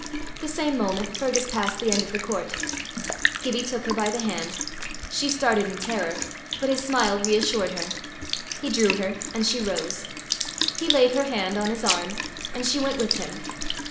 The same moment Fergus passed the end of the court. Gibbie took her by the hand. She started in terror, but his smile reassured her. He drew her, and she rose. He laid her hand on his arm, and she went with him.